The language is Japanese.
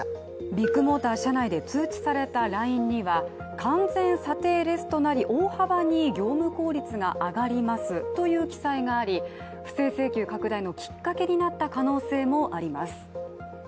ビッグモーター社内で通知されたＬＩＮＥには、完全査定レスとなり大幅に業務効率が上がりますという記載があり不正請求拡大のきっかけになった可能性もあります。